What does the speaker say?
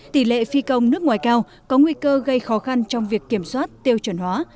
tỷ lệ phi công nước ngoài cao có nguy cơ gây khó khăn trong việc kiểm soát tiêu chuẩn hóa